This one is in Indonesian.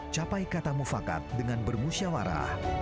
capai kata mufakat dengan bermusyawarah